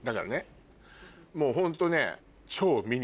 もうホントね。